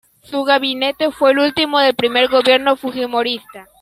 Su gabinete fue el último del primer gobierno fujimorista.